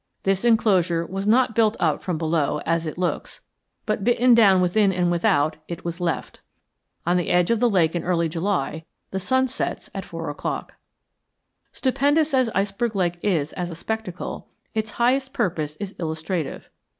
This enclosure was not built up from below, as it looks, but bitten down within and without; it was left. On the edge of the lake in early July the sun sets at four o'clock. Stupendous as Iceberg Lake is as a spectacle, its highest purpose is illustrative.